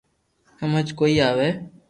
ھمج ڪوئي آوي